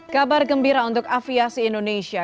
kabar gembira untuk aviasi indonesia